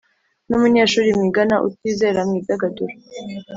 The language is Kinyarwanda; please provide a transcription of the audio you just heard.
N umunyeshuri mwigana utizera mwidagadura